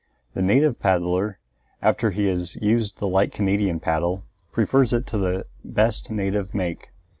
The native paddler, after he has used the light Canadian paddle, prefers it to the best native make.